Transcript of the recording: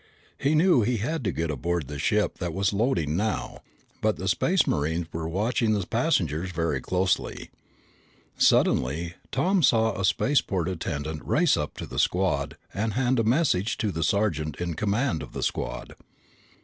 He knew he had to get aboard the ship that was loading now, but the Space Marines were watching the passengers very closely. Suddenly Tom saw a spaceport attendant race up to the squad and hand a message to the sergeant in command of the squad.